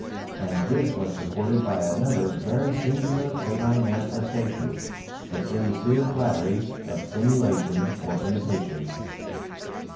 And this was supported by another very singular canine manifestation the "sincere flattery" of simulation or imitation.